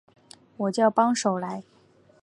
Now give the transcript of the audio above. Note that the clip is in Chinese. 我叫帮手来